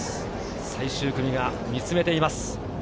最終組が見つめています。